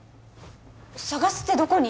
捜すってどこに？